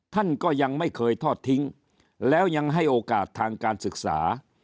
ท่านก็ยังไม่เคยทอดทิ้งแล้วยังให้โอกาสทางการศึกษา